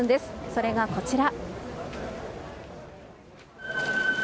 それがこちら。